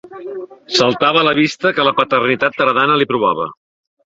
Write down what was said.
Saltava a la vista que la paternitat tardana li provava.